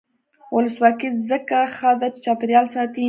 ولسواکي ځکه ښه ده چې چاپیریال ساتي.